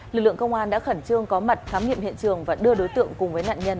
lực lượng công an đã khẩn trương có mặt khám nghiệm hiện trường và đưa đối tượng cùng với nạn nhân